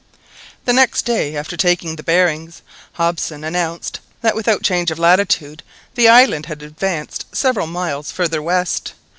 The next day after taking the bearings, Hobson announced that without change of latitude the island had advanced several miles farther west.